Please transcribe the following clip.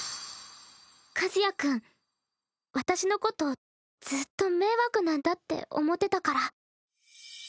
和也君私のことずっと迷惑なんだって思ってたから。